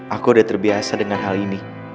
aku udah terbiasa dengan hal ini